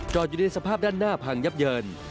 อยู่ในสภาพด้านหน้าพังยับเยิน